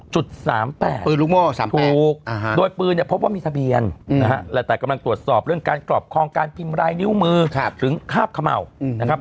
ถูกโดยปืนเนี่ยพบว่ามีทะเบียนนะฮะแต่กำลังตรวจสอบเรื่องการกรอบครองการพิมพ์ลายนิ้วมือถึงคาบเขม่านะครับ